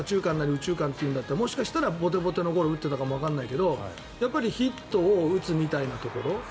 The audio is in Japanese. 右中間というんだったらもしかしたらボテボテのゴロを打ってたかもわからないけどやっぱりヒットを打つみたいなところ。